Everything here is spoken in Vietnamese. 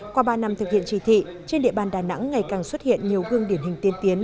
qua ba năm thực hiện chỉ thị trên địa bàn đà nẵng ngày càng xuất hiện nhiều gương điển hình tiên tiến